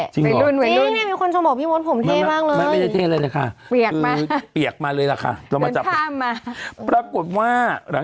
จริงเหรอเป็นรุ่นเป็นรุ่นจริงเนี้ยมีคนโทรบอกว่าพี่มดผมเท่มากเลย